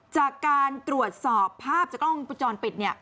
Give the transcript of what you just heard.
จากการตรวจสอบภาพจากกล้องวงจรปิดเนี่ย